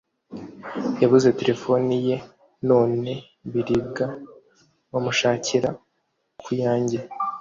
Yabuze telefone ye none birirwa bamushakira kuyanjye